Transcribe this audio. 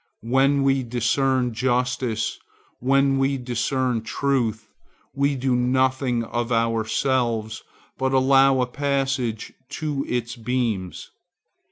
When we discern justice, when we discern truth, we do nothing of ourselves, but allow a passage to its beams.